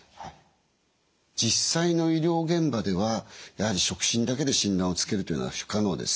実際の医療現場ではやはり触診だけで診断をつけるというのは不可能です。